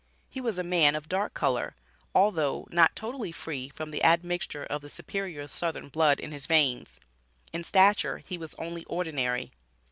He was a man of dark color, although not totally free from the admixture of the "superior" southern blood in his veins; in stature, he was only ordinary.